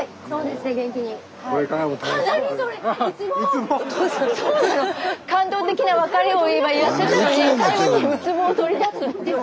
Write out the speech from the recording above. スタジオ感動的な別れを今やってたのに最後にウツボを取り出すっていう。